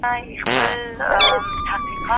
که اقتصاد وده وکړي د ژوند معيار به ورسره بدل سي.